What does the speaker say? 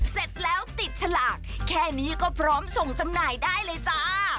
เสร็จแล้วติดฉลากแค่นี้ก็พร้อมส่งจำหน่ายได้เลยจ้า